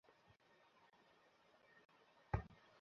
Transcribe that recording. কী ব্যাপার, পুলিশ?